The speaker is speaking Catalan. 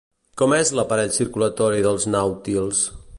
Com és l'aparell circulatori dels nàutils?